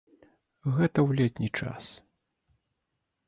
Гэта ў летні час.